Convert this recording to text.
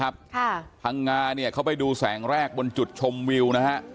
ค่ะพังงาเนี่ยเขาไปดูแสงแรกบนจุดชมวิวนะฮะ